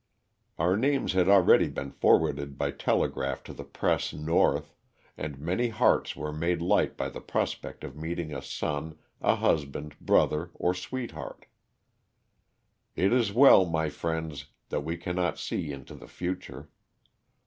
Our names had already been forwarded by telegraph to the press North, and many hearts were made light by the prospect of meeting a son, a hus band, brother or sweetheart. It is well, my friends, that we cannot see into the future.